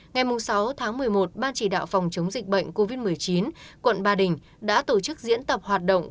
ngày sáu tháng một mươi một ban chỉ đạo phòng chống dịch bệnh covid một mươi chín quận ba đình đã tổ chức diễn tập hoạt động